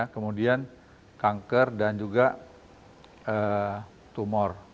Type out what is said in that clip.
kemudian kanker dan juga tumor